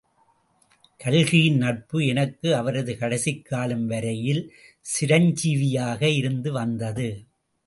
கல்கியின் நட்பு எனக்கு அவரது கடைசிக்காலம் வரையில் சிரஞ்சீவியாக இருந்து வந்தது.